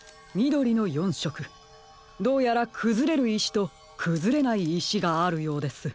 どうやらくずれるいしとくずれないいしがあるようです。